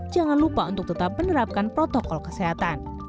jangan lupa untuk tetap menerapkan protokol kesehatan